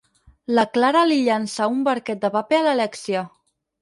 La Clara li llança un barquet de paper a l'Alèxia.